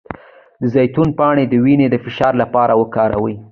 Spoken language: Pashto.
د زیتون پاڼې د وینې د فشار لپاره وکاروئ